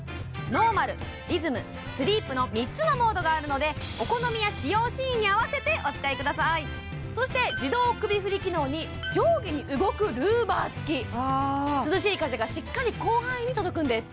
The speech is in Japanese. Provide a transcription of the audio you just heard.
ノーマルリズムスリープの３つのモードがあるのでお好みや使用シーンに合わせてお使いくださいそして付き涼しい風がしっかり広範囲に届くんです